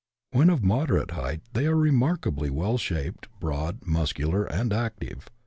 When of moderate height they are remarkably well shaped, broad, muscular, and active.